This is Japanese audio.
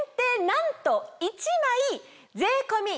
なんと１枚税込み。